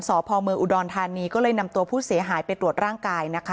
สพเมืองอุดรธานีก็เลยนำตัวผู้เสียหายไปตรวจร่างกายนะคะ